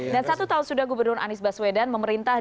dan satu tahun sudah gubernur anies baswedan memerintah